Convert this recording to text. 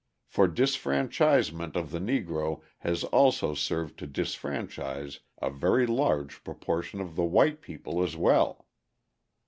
For disfranchisement of the Negro has also served to disfranchise a very large proportion of the white people as well.